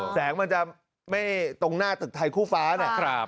แสงมันจะไม่ตรงหน้าตึกไทยคู่ฟ้านะ